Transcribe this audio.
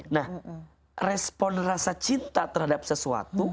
nah respon rasa cinta terhadap sesuatu